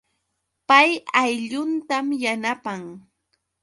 Pay aylluntam yanapan